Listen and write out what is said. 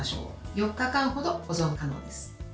４日間ほど保存可能です。